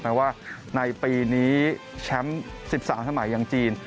แม้ว่าในปีนี้แชมป์๑๓สมัยอย่างจีน